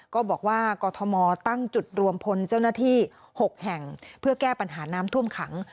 ก็บอกว่ากรทมตั้งจุดรวมพลเจ้าหน้าที่๖แห่งเพื่อแก้ปัญหาน้ำท่วมขัง